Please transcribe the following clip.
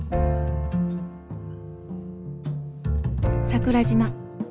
桜島。